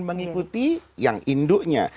mengikuti yang induknya